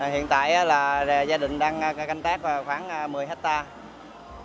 hiện tại là gia đình đang canh tác khoảng một mươi hectare